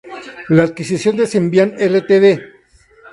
La adquisición de Symbian Ltd.